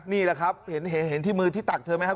นี่แหละครับเห็นที่มือที่ตักเธอไหมครับ